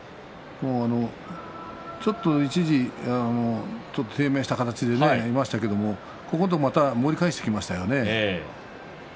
ちょっと一時、低迷した形でねいましたけれどもここのところ盛り返してきましたね。